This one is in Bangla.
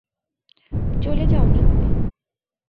চলে যাও, নিক!